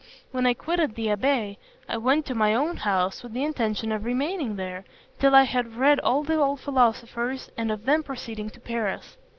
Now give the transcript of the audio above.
When I quitted the abbé, I went to my own house with the intention of remaining there, till I had read all the old philosophers, and of then proceeding to Paris.